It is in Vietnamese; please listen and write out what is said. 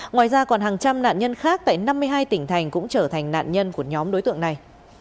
ngoài ra còn hàng trăm nạn nhân khác tại năm mươi hai tỉnh thành cũng trở thành nạn nhân của nhóm đối tượng này